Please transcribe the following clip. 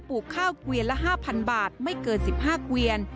ลูกข้าวเกวียนละ๕๐๐บาทไม่เกิน๑๕เกวียน